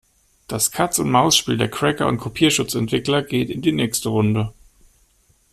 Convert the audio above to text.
Das Katz-und-Maus-Spiel der Cracker und Kopierschutzentwickler geht in die nächste Runde.